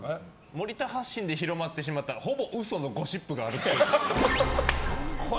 森田発信で広まってしまったほぼ嘘のゴシップがあるっぽい。